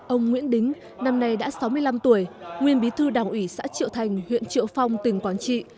ông nguyễn đính năm nay đã sáu mươi năm tuổi nguyên bí thư đảng ủy xã triệu thành huyện triệu phong tỉnh quảng trị